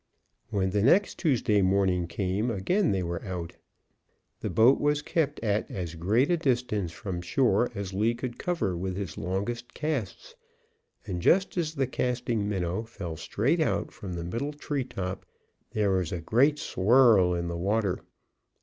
When the next Tuesday morning came again they were out. The boat was kept at as great a distance from shore as Lee could cover with his longest casts, and just as the casting minnow fell straight out from the middle treetop, there was a great swirl in the water.